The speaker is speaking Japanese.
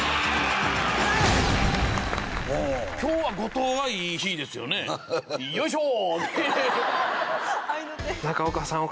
おお今日は後藤はいい日ですよねよいしょ！